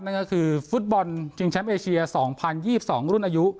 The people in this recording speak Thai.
นั่นก็คือฟุตบอลจิงแชมป์เอเชียสองพันยี่สิบสองรุ่นอายุ